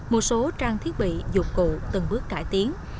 một số trang thiết bị dụng cụ từng bước cải tiến